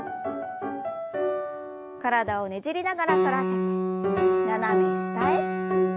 体をねじりながら反らせて斜め下へ。